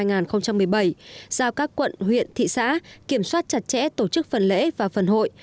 giao các quận huyện thị xã kiểm soát chặt chẽ tổ chức phần lễ và phần hội